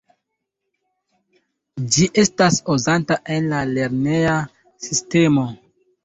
Ĝi estas uzata en la lerneja sistemo.